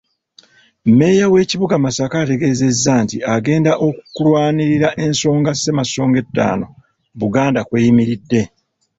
Mmeeya w'ekibuga Masaka ategeezezza nti agenda kulwanirira ensonga Ssemasonga ettaano, Buganda kw'eyimiridde.